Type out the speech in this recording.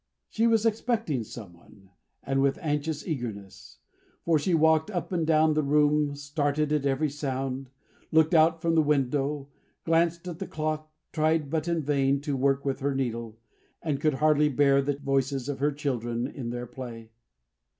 She was expecting some one, and with anxious eagerness; for she walked up and down the room; started at every sound; looked out from the window; glanced at the clock; tried, but in vain, to work with her needle; and could hardly bear the voices of her children in their play.